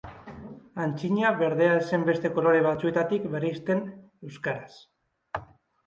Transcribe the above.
Antzina berdea ez zen beste kolore batzuetatik bereizten euskaraz.